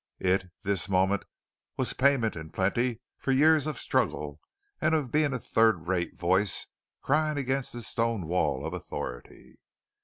It this moment was payment in plenty for years of struggle and of being a third rate voice crying against the stone wall of authority.